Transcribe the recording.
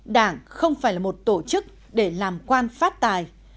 đảng không phải là một tổ chức để làm quan phát tài